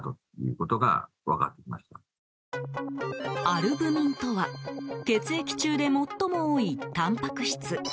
アルブミンとは血液中で最も多いたんぱく質。